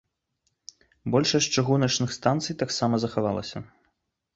Большасць чыгуначных станцый таксама захавалася.